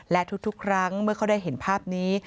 และทุกครั้งเมื่อเขาได้เห็นภาพนี้